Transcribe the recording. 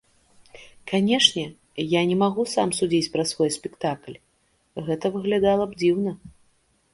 Канечне, я не магу сам судзіць пра свой спектакль, гэта выглядала б дзіўна.